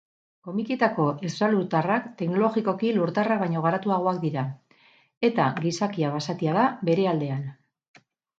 Komikietako estralurtarrak teknologikoki lurtarrak baino garatuagoak dira, eta gizakia basatia da bere aldean.